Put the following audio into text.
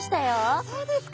あっそうですか。